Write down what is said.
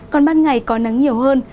còn ban ngày có nắng nhiều hơn